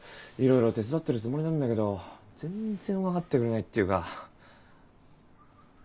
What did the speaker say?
色々手伝ってるつもりなんだけど全然分かってくれないっていうか。